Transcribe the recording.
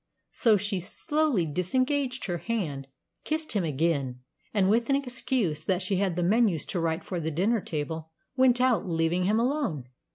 So she slowly disengaged her hand, kissed him again, and with an excuse that she had the menus to write for the dinner table, went out, leaving him alone.